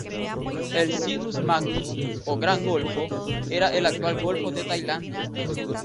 El Sinus Magnus, o Gran Golfo, era el actual golfo de Tailandia.